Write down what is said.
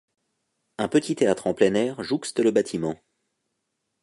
Un petit théâtre en plein air jouxte le bâtiment.